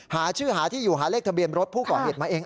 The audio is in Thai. หาชื่อหาที่อยู่หาเลขทะเบียนรถผู้ก่อเหตุมาเอง